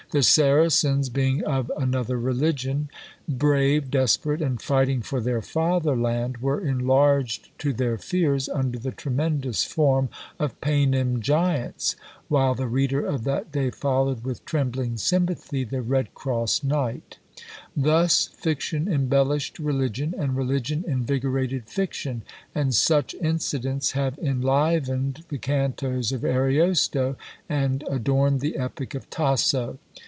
The Saracens, being of another religion, brave, desperate, and fighting for their fatherland, were enlarged to their fears, under the tremendous form of Paynim Giants, while the reader of that day followed with trembling sympathy the Redcross Knight. Thus fiction embellished religion, and religion invigorated fiction; and such incidents have enlivened the cantos of Ariosto, and adorned the epic of Tasso.